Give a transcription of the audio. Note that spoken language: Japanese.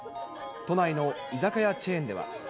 都内の居酒屋チェーンでは。